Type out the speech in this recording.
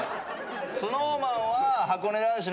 ＳｎｏｗＭａｎは。